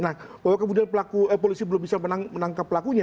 nah bahwa kemudian pelaku polisi belum bisa menangkap pelakunya